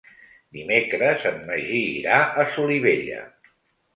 Dimecres en Magí irà a Solivella.